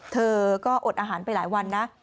เธอก็อดอาหารไปหลายวันนะ